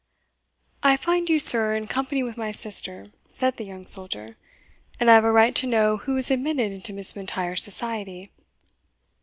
"I find you, sir, in company with my sister," said the young soldier, "and I have a right to know who is admitted into Miss M'Intyre's society."